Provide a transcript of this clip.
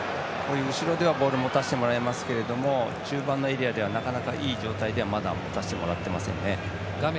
後ろではボールを持たせてもらえますけども中盤のエリアではなかなか、いい状態でまだ持たせてもらっていませんね。